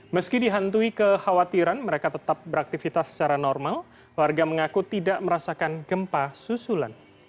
meski dihantui kekhawatiran mereka tetap beraktivitas secara normal warga mengaku tidak merasakan gempa susulan